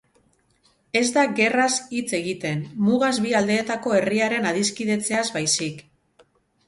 Ez da gerraz hitz egiten, mugaz bi aldeetako herriaren adiskidetzeaz baizik.